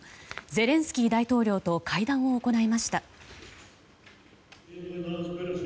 ゼレンスキー大統領と会談を行いました。